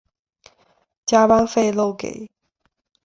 加班费漏给